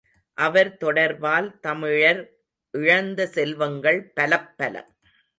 அவர் தொடர்பால் தமிழர் இழந்த செல்வங்கள் பலப்பல.